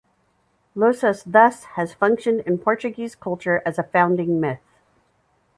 Lusus thus has functioned in Portuguese culture as a founding myth.